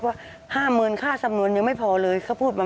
เพราะว่า๕หมื่นค่าสำนวนยังไม่พอเลย